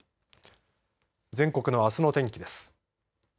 全国のあすの天気です。